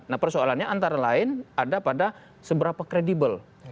nah persoalannya antara lain ada pada seberapa kredibel